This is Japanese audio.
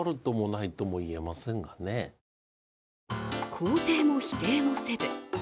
肯定も否定もせず。